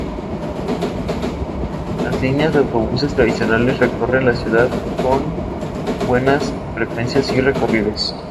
Las líneas de autobuses tradicionales recorren la ciudad con buenas frecuencias y recorridos.